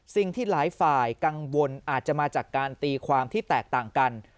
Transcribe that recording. สิ่งที่หลายฝ่ายกังวลอาจจะมาจากการตีความที่แตกต่างกัน